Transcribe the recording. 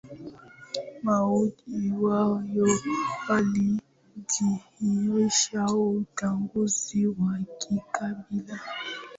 mauaji hayo yalidhihirisha ubaguzi wa kikabila